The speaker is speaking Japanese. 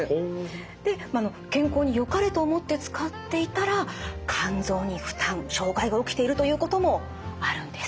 で健康によかれと思って使っていたら肝臓に負担障害が起きているということもあるんです。